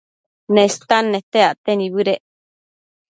Nestan nete acte nibëdec